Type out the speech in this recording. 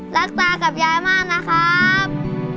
ตากับยายมากนะครับ